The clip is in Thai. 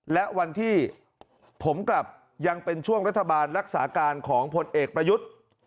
และวันที่ผมกลับยังเป็นช่วงรัฐบาลรักษาการของผลเอกประยุทธ์